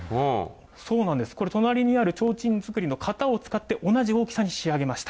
そうなんです、これ、隣にある提灯作りの型を使って、同じ大きさに仕上げました。